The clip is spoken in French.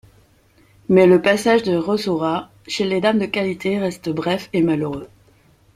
Mais le passage de Rosaura chez les dames de qualité reste bref et malheureux.